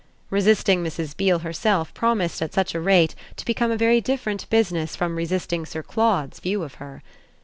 Resisting Mrs. Beale herself promised at such a rate to become a very different business from resisting Sir Claude's view of her.